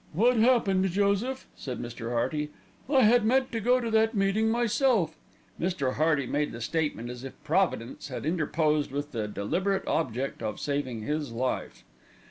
"What happened, Joseph?" said Mr. Hearty. "I had meant to go to that meeting myself." Mr. Hearty made the statement as if Providence had interposed with the deliberate object of saving his life.